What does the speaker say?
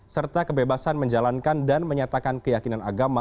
serta kebebasan menjalankan dan menyatakan keyakinan agama